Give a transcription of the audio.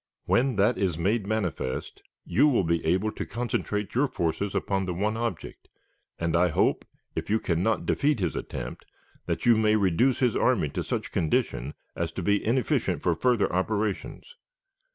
When that is made manifest, you will be able to concentrate your forces upon the one object, and I hope, if you can not defeat his attempt, that you may reduce his army to such condition as to be inefficient for further operations.